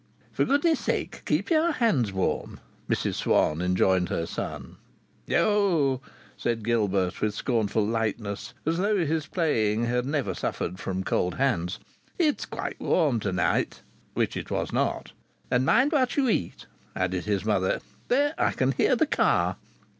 "For goodness sake, keep your hands warm," Mrs Swann enjoined her son. "Oh!" said Gilbert, with scornful lightness, as though his playing had never suffered from cold hands, "it's quite warm to night!" Which it was not. "And mind what you eat!" added his mother. "There! I can hear the car."